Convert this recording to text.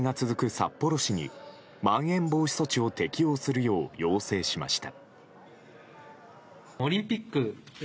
札幌市にまん延防止措置を適用するよう要請しました。